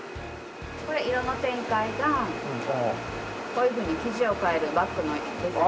これ色の展開がこういうふうに生地を変えるバックのデザイン。